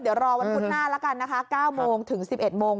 เดี๋ยวรอวันพุธหน้าแล้วกันนะคะ๙โมงถึง๑๑โมง